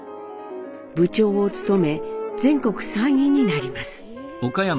部長を務め全国３位になります。